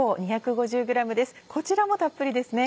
こちらもたっぷりですね。